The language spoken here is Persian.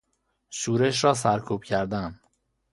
شورش را سرکوب کردن